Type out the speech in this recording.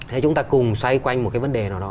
hay chúng ta cùng xoay quanh một cái vấn đề nào đó